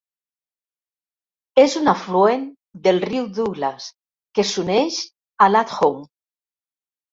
És un afluent del riu Douglas que s"uneix a Lathom.